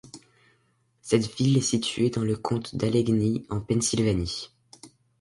Cette ville est située dans le comté d'Allegheny en Pennsylvanie.